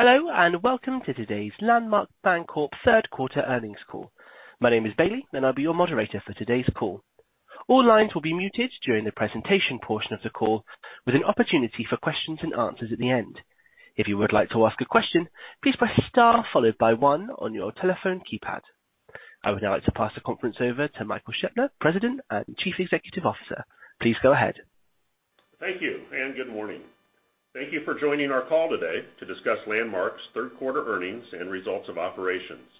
Hello, and welcome to today's Landmark Bancorp, Inc. third quarter earnings call. My name is Bailey, and I'll be your moderator for today's call. All lines will be muted during the presentation portion of the call, with an opportunity for questions and answers at the end. If you would like to ask a question, please press star followed by one on your telephone keypad. I would now like to pass the conference over to Michael E. Scheopner, President and Chief Executive Officer. Please go ahead. Thank you, and good morning. Thank you for joining our call today to discuss Landmark's third quarter earnings and results of operations.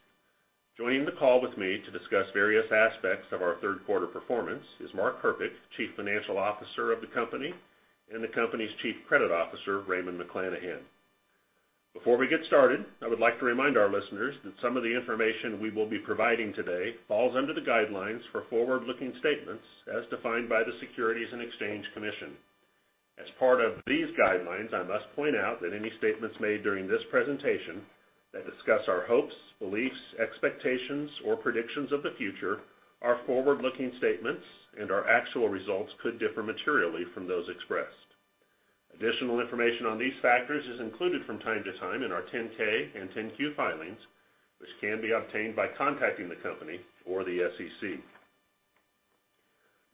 Joining the call with me to discuss various aspects of our third quarter performance is Mark A. Herpich, Chief Financial Officer of the company, and the company's Chief Credit Officer, Raymond McLanahan. Before we get started, I would like to remind our listeners that some of the information we will be providing today falls under the guidelines for forward-looking statements as defined by the Securities and Exchange Commission. As part of these guidelines, I must point out that any statements made during this presentation that discuss our hopes, beliefs, expectations, or predictions of the future are forward-looking statements, and our actual results could differ materially from those expressed. Additional information on these factors is included from time to time in our 10-K and 10-Q filings, which can be obtained by contacting the company or the SEC.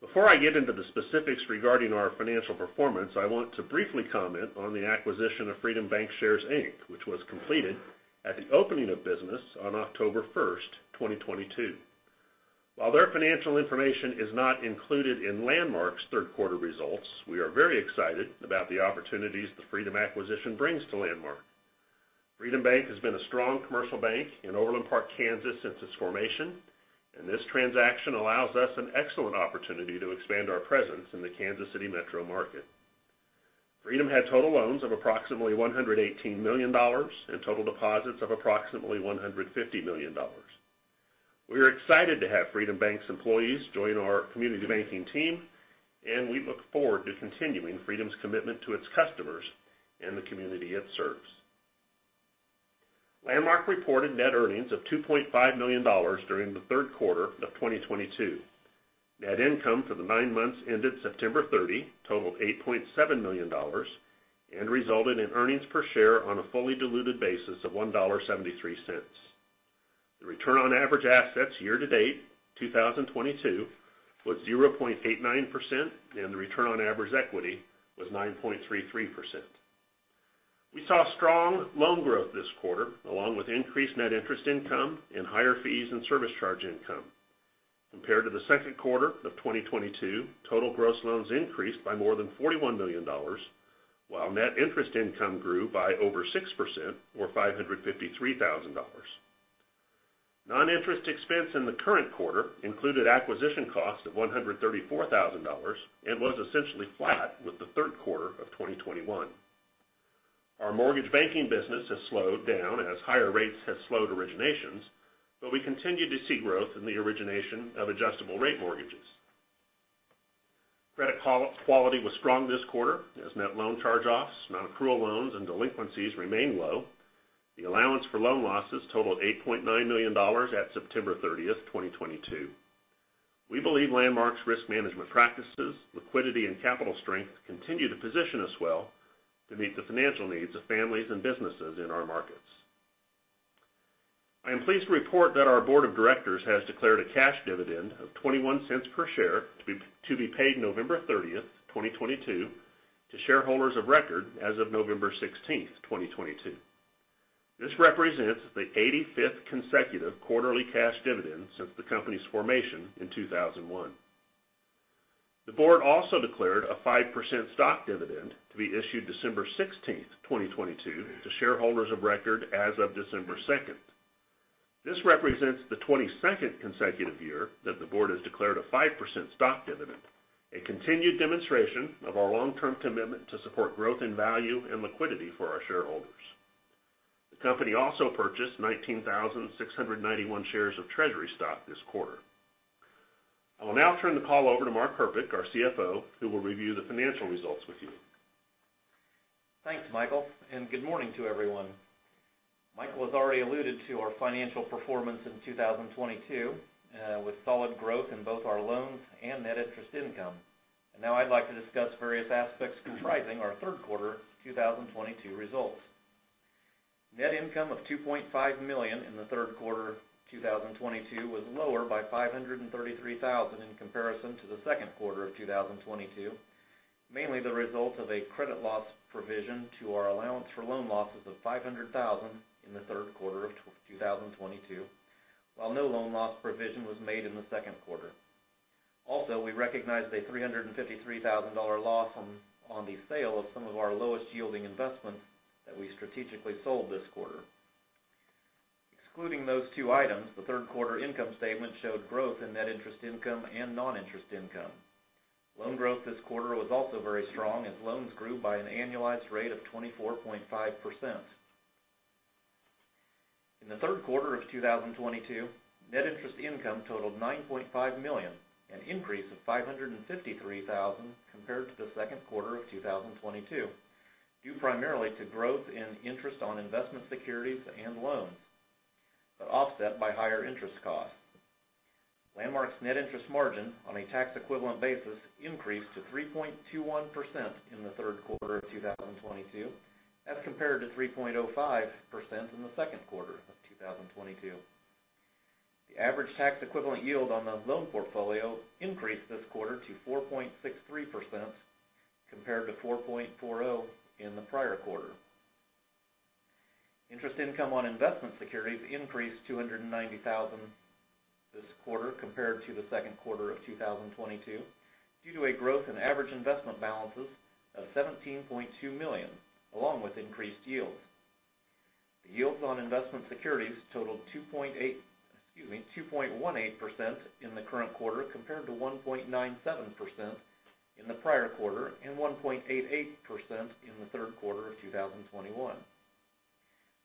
Before I get into the specifics regarding our financial performance, I want to briefly comment on the acquisition of Freedom Bancshares, Inc., which was completed at the opening of business on October 1, 2022. While their financial information is not included in Landmark's third quarter results, we are very excited about the opportunities the Freedom acquisition brings to Landmark. Freedom Bank has been a strong commercial bank in Overland Park, Kansas, since its formation, and this transaction allows us an excellent opportunity to expand our presence in the Kansas City metro market. Freedom had total loans of approximately $118 million and total deposits of approximately $150 million. We are excited to have Freedom Bank's employees join our community banking team, and we look forward to continuing Freedom's commitment to its customers and the community it serves. Landmark reported net earnings of $2.5 million during the third quarter of 2022. Net income for the nine months ended September 30 totaled $8.7 million and resulted in earnings per share on a fully diluted basis of $1.73. The return on average assets year-to-date 2022 was 0.89%, and the return on average equity was 9.33%. We saw strong loan growth this quarter, along with increased net interest income and higher fees and service charge income. Compared to the second quarter of 2022, total gross loans increased by more than $41 million, while net interest income grew by over 6% or $553,000. Non-interest expense in the current quarter included acquisition cost of $134,000 and was essentially flat with the third quarter of 2021. Our mortgage banking business has slowed down as higher rates have slowed originations, but we continue to see growth in the origination of adjustable rate mortgages. Credit quality was strong this quarter as net loan charge-offs, non-accrual loans, and delinquencies remain low. The allowance for loan losses totaled $8.9 million at September 30, 2022. We believe Landmark's risk management practices, liquidity, and capital strength continue to position us well to meet the financial needs of families and businesses in our markets. I am pleased to report that our board of directors has declared a cash dividend of $0.21 per share to be paid November 30, 2022 to shareholders of record as of November 16, 2022. This represents the 85th consecutive quarterly cash dividend since the company's formation in 2001. The board also declared a 5% stock dividend to be issued December 16, 2022 to shareholders of record as of December 2nd. This represents the 22nd consecutive year that the board has declared a 5% stock dividend, a continued demonstration of our long-term commitment to support growth in value and liquidity for our shareholders. The company also purchased 19,691 shares of treasury stock this quarter. I will now turn the call over to Mark Herpich, our CFO, who will review the financial results with you. Thanks, Michael, and good morning to everyone. Michael has already alluded to our financial performance in 2022 with solid growth in both our loans and net interest income. Now I'd like to discuss various aspects comprising our third quarter 2022 results. Net income of $2.5 million in the third quarter 2022 was lower by $533,000 in comparison to the second quarter of 2022, mainly the result of a credit loss provision to our allowance for loan losses of $500,000 in the third quarter of 2022, while no loan loss provision was made in the second quarter. Also, we recognized a $353,000 loss on the sale of some of our lowest yielding investments that we strategically sold this quarter. Excluding those two items, the third quarter income statement showed growth in net interest income and non-interest income. Loan growth this quarter was also very strong, as loans grew by an annualized rate of 24.5%. In the third quarter of 2022, net interest income totaled $9.5 million, an increase of $553,000 compared to the second quarter of 2022, due primarily to growth in interest on investment securities and loans, but offset by higher interest costs. Landmark's net interest margin on a tax equivalent basis increased to 3.21% in the third quarter of 2022, as compared to 3.05% in the second quarter of 2022. The average tax equivalent yield on the loan portfolio increased this quarter to 4.63% compared to 4.40% in the prior quarter. Interest income on investment securities increased $290,000 this quarter compared to the second quarter of 2022 due to a growth in average investment balances of $17.2 million, along with increased yields. The yields on investment securities totaled 2.18% in the current quarter compared to 1.97% in the prior quarter and 1.88% in the third quarter of 2021.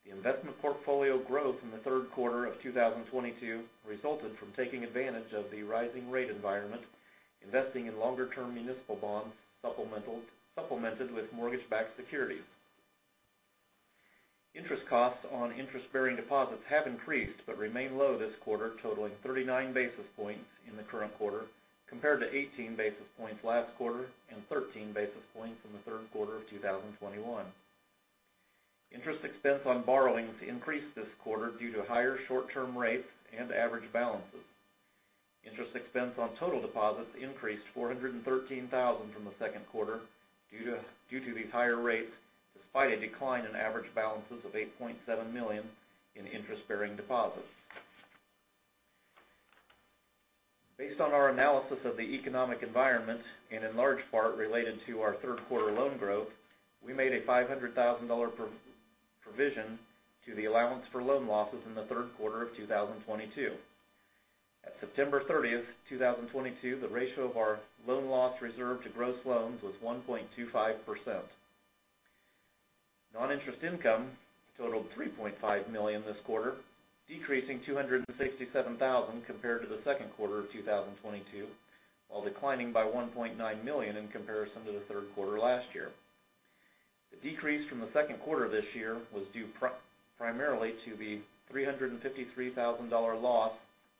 The investment portfolio growth in the third quarter of 2022 resulted from taking advantage of the rising rate environment, investing in longer-term municipal bonds, supplemented with mortgage-backed securities. Interest costs on interest-bearing deposits have increased but remain low this quarter, totaling 39 basis points in the current quarter compared to 18 basis points last quarter and 13 basis points in the third quarter of 2021. Interest expense on borrowings increased this quarter due to higher short-term rates and average balances. Interest expense on total deposits increased $413,000 from the second quarter due to these higher rates, despite a decline in average balances of $8.7 million in interest-bearing deposits. Based on our analysis of the economic environment, and in large part related to our third quarter loan growth, we made a $500,000 provision to the allowance for loan losses in the third quarter of 2022. At September 30, 2022, the ratio of our loan loss reserve to gross loans was 1.25%. Non-interest income totaled $3.5 million this quarter, decreasing $267,000 compared to the second quarter of 2022, while declining by $1.9 million in comparison to the third quarter last year. The decrease from the second quarter this year was due primarily to the $353,000 loss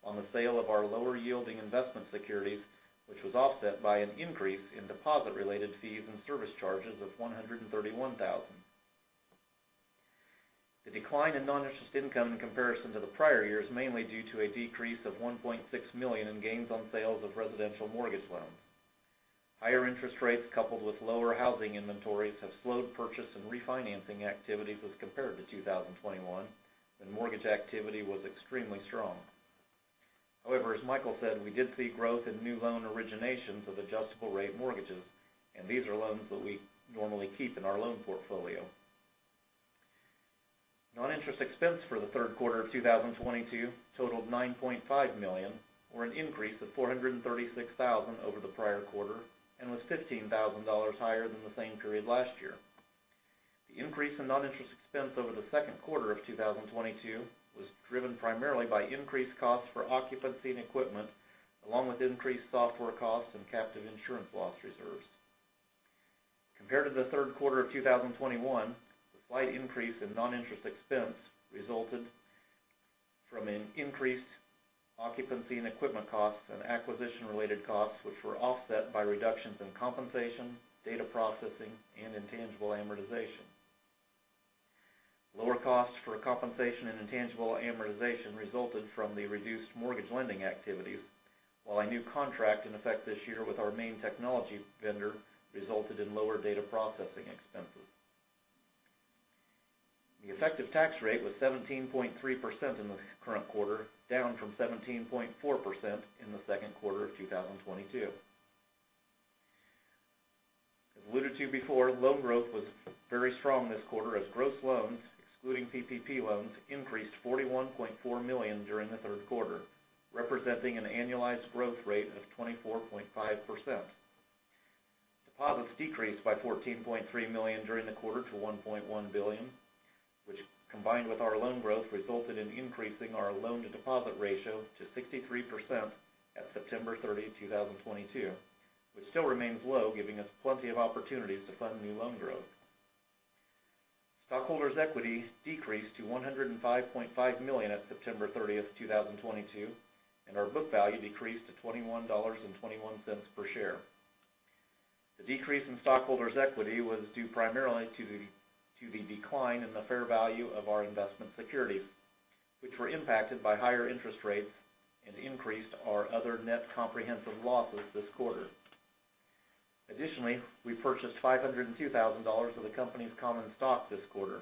on the sale of our lower yielding investment securities, which was offset by an increase in deposit related fees and service charges of $131,000. The decline in non-interest income in comparison to the prior year is mainly due to a decrease of $1.6 million in gains on sales of residential mortgage loans. Higher interest rates coupled with lower housing inventories have slowed purchase and refinancing activities as compared to 2021, when mortgage activity was extremely strong. However, as Michael said, we did see growth in new loan originations of adjustable-rate mortgages, and these are loans that we normally keep in our loan portfolio. Non-interest expense for the third quarter of 2022 totaled $9.5 million, or an increase of $436,000 over the prior quarter and was $15,000 higher than the same period last year. The increase in non-interest expense over the second quarter of 2022 was driven primarily by increased costs for occupancy and equipment, along with increased software costs and captive insurance loss reserves. Compared to the third quarter of 2021, the slight increase in non-interest expense resulted from an increased occupancy and equipment costs and acquisition related costs, which were offset by reductions in compensation, data processing, and intangible amortization. Lower costs for compensation and intangible amortization resulted from the reduced mortgage lending activities, while a new contract in effect this year with our main technology vendor resulted in lower data processing expenses. The effective tax rate was 17.3% in the current quarter, down from 17.4% in the second quarter of 2022. As alluded to you before, loan growth was very strong this quarter as gross loans, excluding PPP loans, increased $41.4 million during the third quarter, representing an annualized growth rate of 24.5%. Deposits decreased by $14.3 million during the quarter to $1.1 billion, which combined with our loan growth, resulted in increasing our loan to deposit ratio to 63% at September 30, 2022, which still remains low, giving us plenty of opportunities to fund new loan growth. Stockholders' equity decreased to $105.5 million at September 30th, 2022, and our book value decreased to $21.21 per share. The decrease in stockholders' equity was due primarily to the decline in the fair value of our investment securities, which were impacted by higher interest rates and increased our other net comprehensive losses this quarter. Additionally, we purchased $502 thousand of the company's common stock this quarter.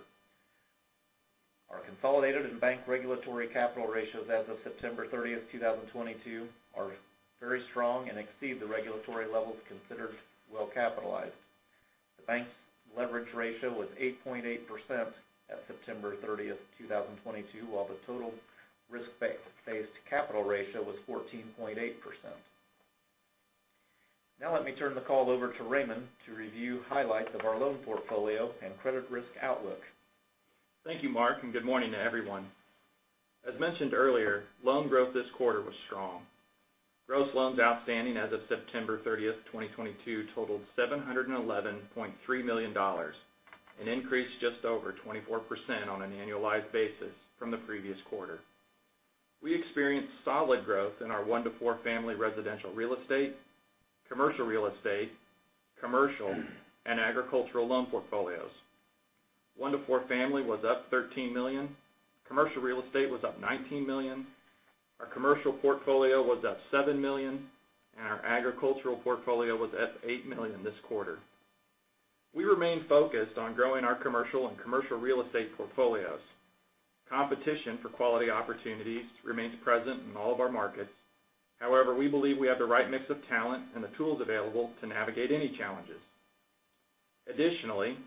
Our consolidated and bank regulatory capital ratios as of September 30, 2022, are very strong and exceed the regulatory levels considered well-capitalized. The bank's leverage ratio was 8.8% at September 30, 2022, while the total risk-based capital ratio was 14.8%. Now let me turn the call over to Raymond to review highlights of our loan portfolio and credit risk outlook. Thank you, Mark, and good morning to everyone. As mentioned earlier, loan growth this quarter was strong. Gross loans outstanding as of September 30, 2022 totaled $711.3 million. An increase just over 24% on an annualized basis from the previous quarter. We experienced solid growth in our One-to-Four Family residential real estate, commercial real estate, commercial and agricultural loan portfolios. One-to-Four Family was up $13 million, commercial real estate was up $19 million, our commercial portfolio was up $7 million, and our agricultural portfolio was up $8 million this quarter. We remain focused on growing our commercial and commercial real estate portfolios. Competition for quality opportunities remains present in all of our markets. However, we believe we have the right mix of talent and the tools available to navigate any challenges. Additionally,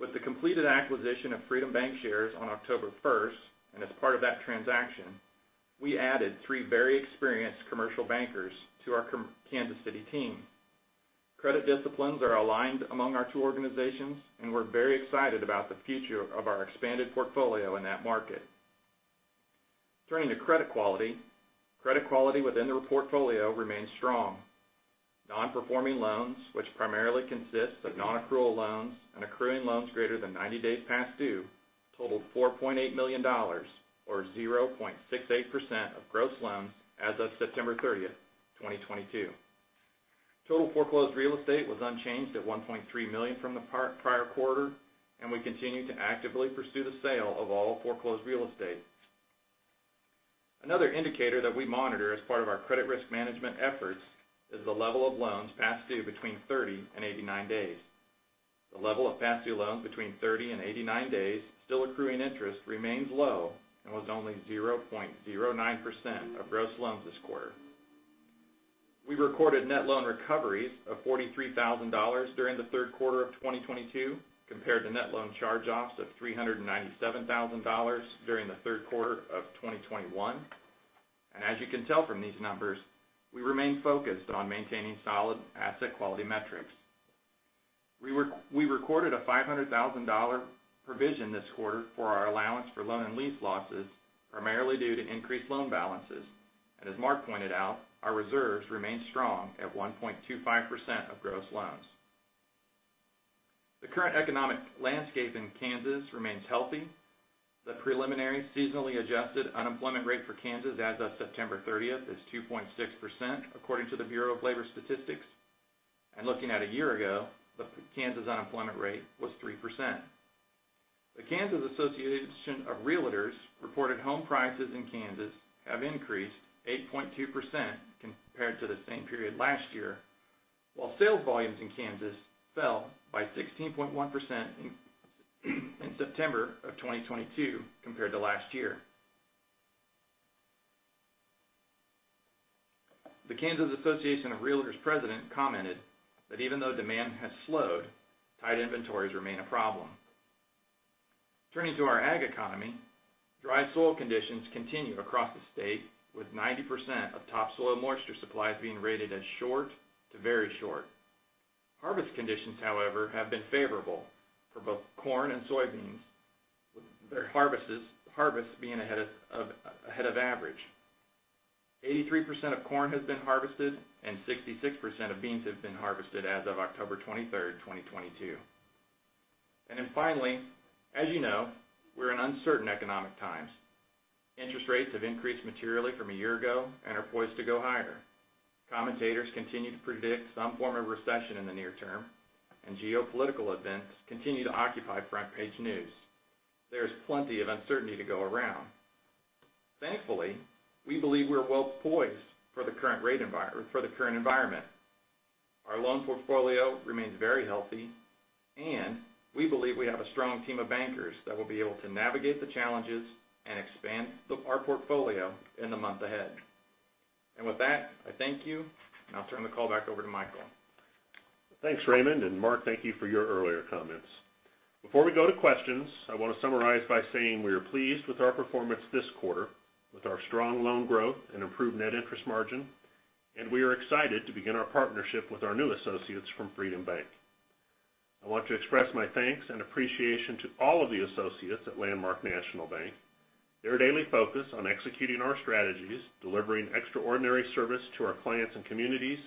with the completed acquisition of Freedom Bancshares on October 1st, and as part of that transaction, we added three very experienced commercial bankers to our Kansas City team. Credit disciplines are aligned among our two organizations, and we're very excited about the future of our expanded portfolio in that market. Turning to credit quality. Credit quality within the portfolio remains strong. Non-performing loans, which primarily consist of non-accrual loans and accruing loans greater than 90 days past due, totaled $4.8 million or 0.68% of gross loans as of September 30, 2022. Total foreclosed real estate was unchanged at $1.3 million from the prior quarter, and we continue to actively pursue the sale of all foreclosed real estate. Another indicator that we monitor as part of our credit risk management efforts is the level of loans past due between 30 and 89 days. The level of past due loans between 30 and 89 days still accruing interest remains low and was only 0.09% of gross loans this quarter. We recorded net loan recoveries of $43,000 during the third quarter of 2022, compared to net loan charge-offs of $397,000 during the third quarter of 2021. As you can tell from these numbers, we remain focused on maintaining solid asset quality metrics. We recorded a $500,000 provision this quarter for our allowance for loan and lease losses, primarily due to increased loan balances. As Mark pointed out, our reserves remain strong at 1.25% of gross loans. The current economic landscape in Kansas remains healthy. The preliminary seasonally adjusted unemployment rate for Kansas as of September thirtieth is 2.6%, according to the Bureau of Labor Statistics. Looking at a year ago, the Kansas unemployment rate was 3%. The Kansas Association of REALTORS® reported home prices in Kansas have increased 8.2% compared to the same period last year, while sales volumes in Kansas fell by 16.1% in September of 2022 compared to last year. The Kansas Association of REALTORS® president commented that even though demand has slowed, tight inventories remain a problem. Turning to our ag economy, dry soil conditions continue across the state, with 90% of topsoil moisture supplies being rated as short to very short. Harvest conditions, however, have been favorable for both corn and soybeans, with their harvests being ahead of average. 83% of corn has been harvested and 66% of beans have been harvested as of October 23, 2022. Then finally, as you know, we're in uncertain economic times. Interest rates have increased materially from a year ago and are poised to go higher. Commentators continue to predict some form of recession in the near term, and geopolitical events continue to occupy front page news. There's plenty of uncertainty to go around. Thankfully, we believe we're well poised for the current environment. Our loan portfolio remains very healthy, and we believe we have a strong team of bankers that will be able to navigate the challenges and expand our portfolio in the month ahead. With that, I thank you, and I'll turn the call back over to Michael. Thanks, Raymond, and Mark, thank you for your earlier comments. Before we go to questions, I want to summarize by saying we are pleased with our performance this quarter with our strong loan growth and improved net interest margin, and we are excited to begin our partnership with our new associates from Freedom Bank. I want to express my thanks and appreciation to all of the associates at Landmark National Bank. Their daily focus on executing our strategies, delivering extraordinary service to our clients and communities,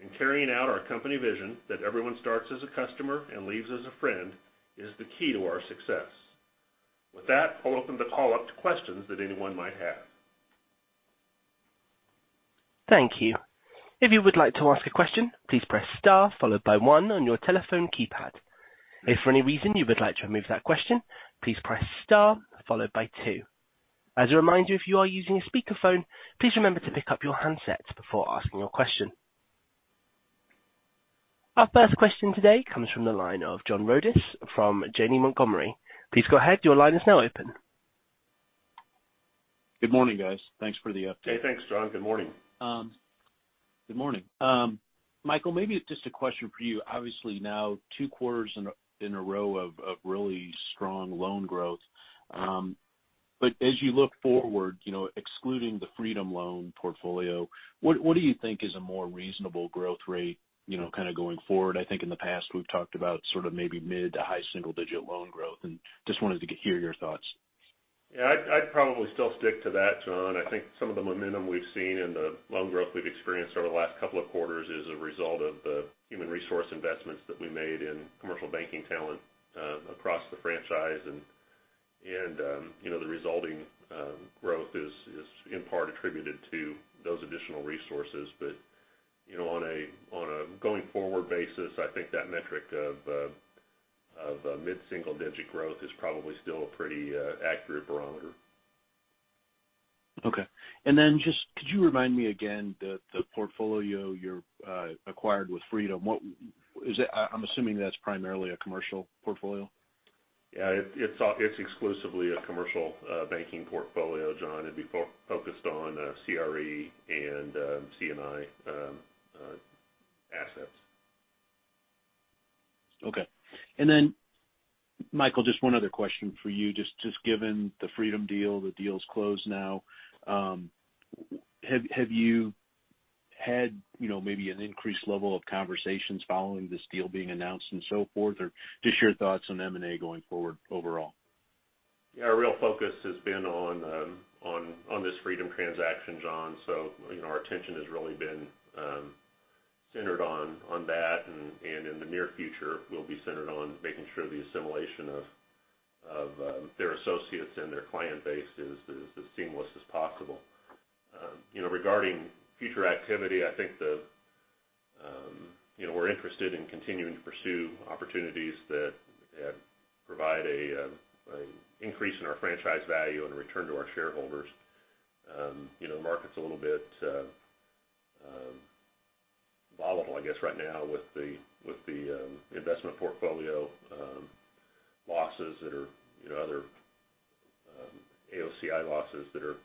and carrying out our company vision that everyone starts as a customer and leaves as a friend is the key to our success. With that, I'll open the call up to questions that anyone might have. Thank you. If you would like to ask a question, please press star followed by one on your telephone keypad. If for any reason you would like to remove that question, please press star followed by two. As a reminder, if you are using a speakerphone, please remember to pick up your handsets before asking your question. Our first question today comes from the line of John Rodis from Janney Montgomery Scott. Please go ahead. Your line is now open. Good morning, guys. Thanks for the update. Hey, thanks, John. Good morning. Good morning. Michael, maybe just a question for you. Obviously, now two quarters in a row of really strong loan growth. But as you look forward, you know, excluding the Freedom loan portfolio, what do you think is a more reasonable growth rate, you know, kind of going forward? I think in the past, we've talked about sort of maybe mid- to high single-digit loan growth and just wanted to hear your thoughts. Yeah, I'd probably still stick to that, John. I think some of the momentum we've seen and the loan growth we've experienced over the last couple of quarters is a result of the human resource investments that we made in commercial banking talent across the franchise. You know, the resulting growth is in part attributed to those additional resources. You know, on a going forward basis, I think that metric of mid-single digit growth is probably still a pretty accurate barometer. Okay. Just could you remind me again the portfolio you acquired with Freedom? What is it? I'm assuming that's primarily a commercial portfolio. Yeah. It's exclusively a commercial banking portfolio, John. It'd be focused on CRE and C&I assets. Okay. Then Michael, just one other question for you. Just given the Freedom deal, the deal's closed now. Have you had, you know, maybe an increased level of conversations following this deal being announced and so forth? Just your thoughts on M&A going forward overall. Yeah, our real focus has been on this Freedom transaction, John. You know, our attention has really been centered on that. In the near future, we'll be centered on making sure the assimilation of their associates and their client base is as seamless as possible. You know, regarding future activity, I think, you know, we're interested in continuing to pursue opportunities that provide an increase in our franchise value and return to our shareholders. You know, the market's a little bit volatile, I guess, right now with the investment portfolio losses that are, you know, other AOCI losses that are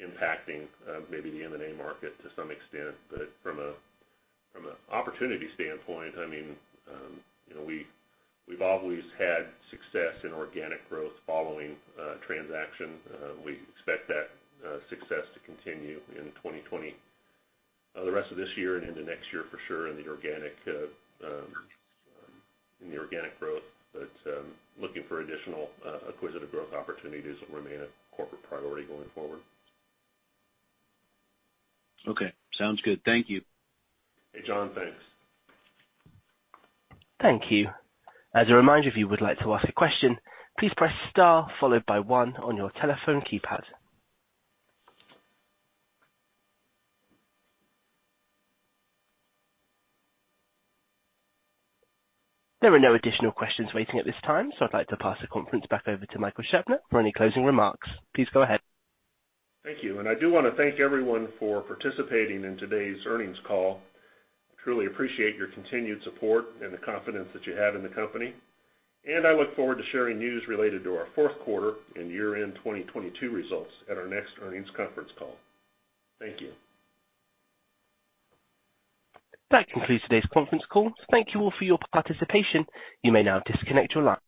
impacting maybe the M&A market to some extent. From an opportunity standpoint, I mean, you know, we've always had success in organic growth following transaction. We expect that success to continue in 2020. The rest of this year and into next year for sure in the organic growth. Looking for additional acquisitive growth opportunities remain a corporate priority going forward. Okay. Sounds good. Thank you. Hey, John. Thanks. Thank you. As a reminder, if you would like to ask a question, please press star followed by one on your telephone keypad. There are no additional questions waiting at this time, so I'd like to pass the conference back over to Michael Scheopner for any closing remarks. Please go ahead. Thank you. I do wanna thank everyone for participating in today's earnings call. Truly appreciate your continued support and the confidence that you have in the company, and I look forward to sharing news related to our fourth quarter and year-end 2022 results at our next earnings conference call. Thank you. That concludes today's conference call. Thank you all for your participation. You may now disconnect your line.